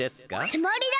つもりだ！